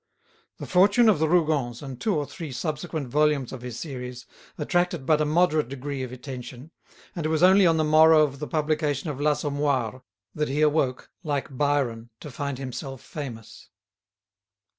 "The Fortune of the Rougons," and two or three subsequent volumes of his series, attracted but a moderate degree of attention, and it was only on the morrow of the publication of "L'Assommoir" that he awoke, like Byron, to find himself famous.